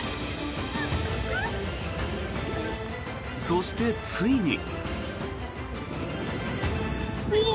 そして、ついに。